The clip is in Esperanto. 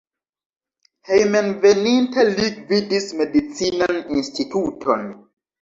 Hejmenveninta li gvidis medicinan instituton.